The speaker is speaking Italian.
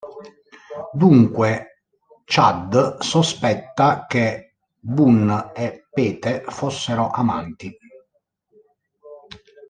Dunque, Chad sospetta che Boone e Pete fossero amanti.